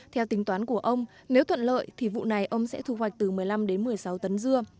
theo tính toán của ông nếu thuận lợi thì vụ này ông sẽ thu hoạch từ một mươi năm đến một mươi sáu tấn dưa